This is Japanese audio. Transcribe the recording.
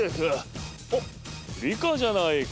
おっリカじゃないか。